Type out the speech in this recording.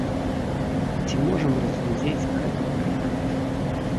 Ці можам разглядзець гэты варыянт.